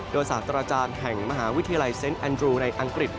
โดยศาสตราจารย์แห่งมหาวิทยาลัยเซ็นต์แอนดรูในอังกฤษ